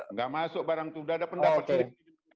nggak masuk barang tuh sudah ada pendapat sendiri